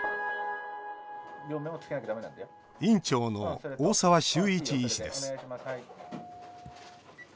院長の大澤秀一医師です。